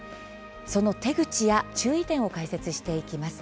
その手口や注意点を解説します。